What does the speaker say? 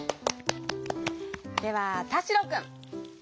ではたしろくん。